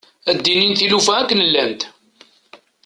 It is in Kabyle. Ad d-inin tilufa akken llant.